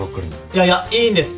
いやいやいいんです。